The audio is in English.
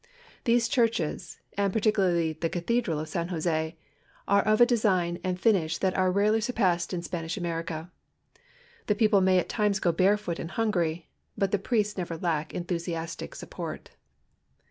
These churches, and particular!}^ the Cathedral of San Jose, are of a design and finish that are rarel}^ surpassed in Spanish America. The people may at times go barefoot and hungry, but the priests never lack enthusiastic support.